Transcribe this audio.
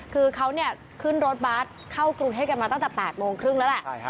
คือเขาขึ้นรถบัสเข้ากรุงเทพกันมาตั้งแต่๘โมงครึ่งแล้วแหละ